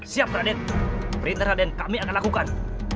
siap raden perintah raden kami akan lakukan